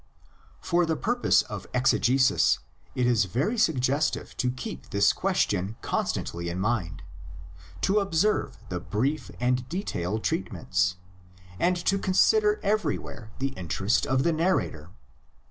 For the purpose of exegesis it is very suggestive to keep this question constantly in mind, to observe the brief and detailed treatments, and to consider everywhere the interest of the narrator.